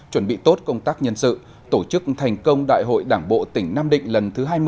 chuẩn bị tốt công tác nhân sự tổ chức thành công đại hội đảng bộ tỉnh nam định lần thứ hai mươi